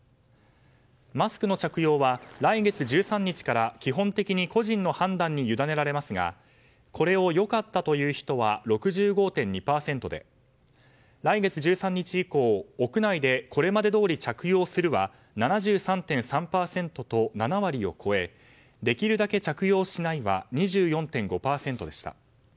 マスクの着用は来月１３日から基本的に個人の判断に委ねられますがこれを「良かった」という人は６５．２％で来月１３日以降、屋内で「これまでどおり着用する」は７３．３％と７割を超え「できるだけ着用しない」は２４．５％でした。